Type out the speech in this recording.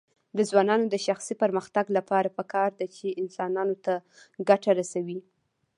د ځوانانو د شخصي پرمختګ لپاره پکار ده چې انسانانو ته ګټه رسوي.